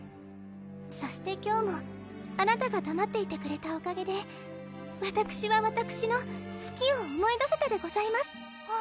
そして今日もあなたがだまっていてくれたおかげでわたくしはわたくしのすきを思い出せたでございます